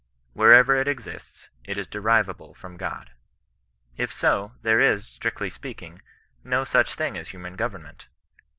Wherever it exists, it is derivable from God. If so, there is, strictly sj^eaking, no such thing as hiunan govern ment.